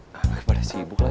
gak kebanyakan sibuk lagi